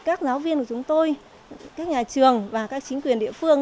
các giáo viên của chúng tôi các nhà trường và các chính quyền địa phương